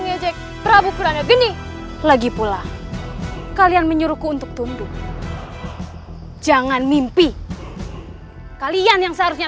karena prabu kuranda geni telah mengangkatku menjadi pemimpin parasiruan